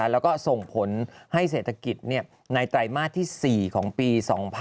แล้วก็ส่งผลให้เศรษฐกิจในไตรมาสที่๔ของปี๒๕๖๒